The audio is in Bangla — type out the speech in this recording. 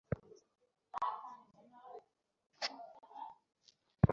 পুরো সপ্তাহের মজুরির টাকা বৃহস্পতিবার প্রত্যেক শ্রমিক নিজের ব্যাংক হিসাব থেকে তুলবেন।